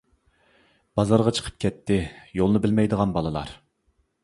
بازارغا چىقىپ كەتتى، يولنى بىلمەيدىغان بالىلار.